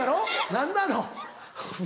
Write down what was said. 何なの？